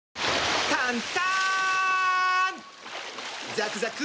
ザクザク！